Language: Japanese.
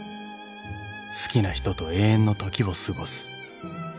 ［好きな人と永遠の時を過ごす］